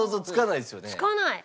つかない！